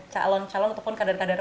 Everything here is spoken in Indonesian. calon calon ataupun kadar kadar